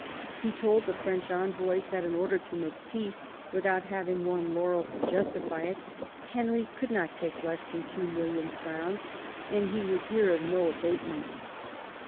He told the French envoys that in order to make peace, without having won laurels to justify it, Henry could not take less than 2,000,000 crowns, and he would hear of no abatement.